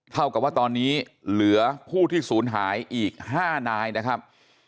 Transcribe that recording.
เท่ากับว่าตอนนี้เหลือผู้ที่ศูนย์หายอีก๕นายนะครับ